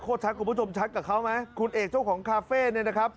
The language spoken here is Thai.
ชัดคุณผู้ชมชัดกับเขาไหมคุณเอกเจ้าของคาเฟ่เนี่ยนะครับ